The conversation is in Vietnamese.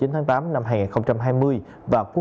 một mươi chín tháng tám năm hai nghìn hai mươi